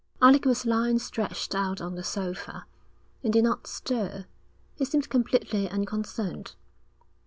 Alec was lying stretched out on the sofa, and did not stir. He seemed completely unconcerned.